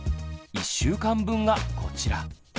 １週間分がこちら。